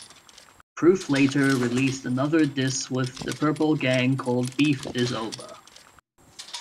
Proof later released another diss with The Purple Gang called "Beef Is Ova".